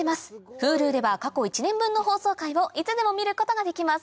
Ｈｕｌｕでは過去１年分の放送回をいつでも見ることができます